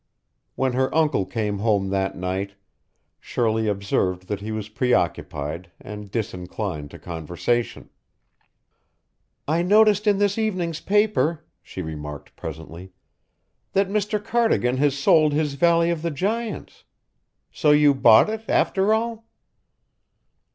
When her uncle came home that night, Shirley observed that he was preoccupied and disinclined to conversation. "I noticed in this evening's paper," she remarked presently, "that Mr. Cardigan has sold his Valley of the Giants. So you bought it, after all?"